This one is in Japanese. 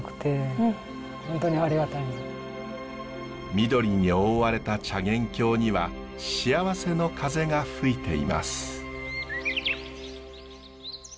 緑に覆われた茶源郷には幸せの風が吹いています。